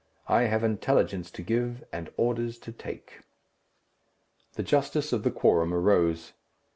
I have intelligence to give, and orders to take." The justice of the quorum arose.